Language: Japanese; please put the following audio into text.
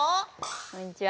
こんにちは。